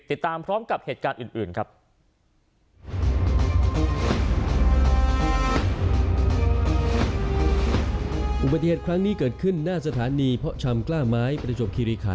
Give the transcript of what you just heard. ติดตามพร้อมกับเหตุการณ์อื่นครับ